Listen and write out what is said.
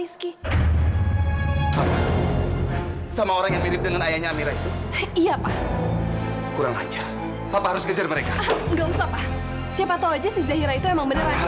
sampai jumpa di video selanjutnya